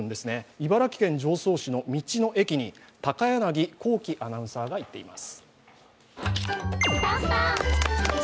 茨城県常総市の道の駅に高柳光希アナウンサーが行っています。